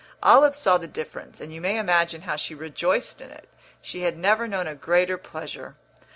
Olive saw the difference, and you may imagine how she rejoiced in it; she had never known a greater pleasure.